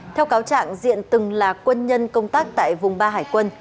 theo cáo trạng diện từng là quân nhân công tác tại vùng ba hải quân